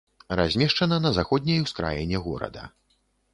Размешчана на заходняй ускраіне горада.